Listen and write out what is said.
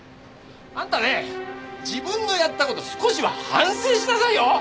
あんたね自分のやった事少しは反省しなさいよ！